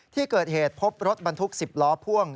ที่เกิดเหตุพบรถบรรทุก๑๐ล้อพ่วง